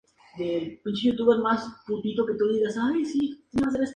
Sin embargo, la tripulación inmediatamente reparó el daño.